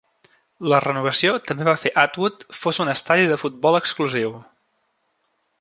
La renovació també va fer Atwood fos un estadi de futbol exclusiu.